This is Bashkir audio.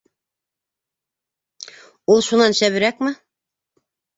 Ул шунан шәберәкме?